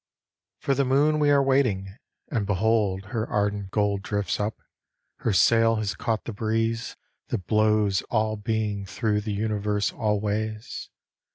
For the moon we are waiting and behold Her ardent gold drifts up, her sail has caught the breeze That blows all being thro the Universe always.